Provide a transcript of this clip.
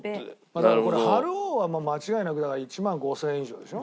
だからこれ晴王は間違いなく１万５０００円以上でしょ。